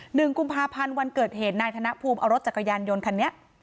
หนึ่งกุมภาพันธ์วันเกิดเหตุนายธนภูมิเอารถจักรยานยนต์คันนี้